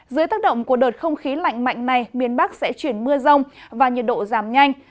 dưới tác động của đợt không khí lạnh mạnh này miền bắc sẽ chuyển mưa rông và nhiệt độ giảm nhanh